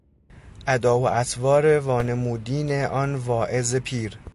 ادا و اطوار وانمودین آن واعظ پیر